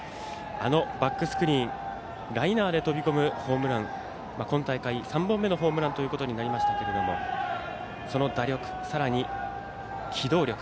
あのバックスクリーンライナーで飛び込むホームラン今大会３本目のホームランとなりましたけれどもその打力、さらに機動力。